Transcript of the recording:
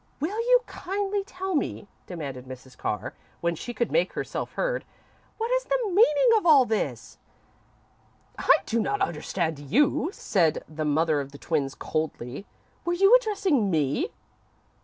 "Will you kindly tell me," demanded Mrs. Carr, when she could make herself heard, "what is the meaning of all this?" "I do not understand you," said the mother of the twins, coldly. "Were you addressing me?"